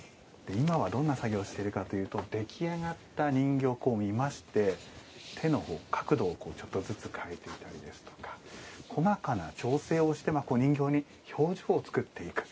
今はどんな作業をしているかというと出来上がった人形を見まして手の角度をちょっとずつ変えていたり細かな調整をして人形に表情を作っていく。